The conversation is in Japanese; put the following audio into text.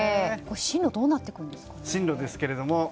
進路はどうなっていくんですかね。